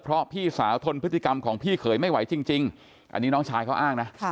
เพราะพี่สาวทนพฤติกรรมของพี่เขยไม่ไหวจริงอันนี้น้องชายเขาอ้างนะ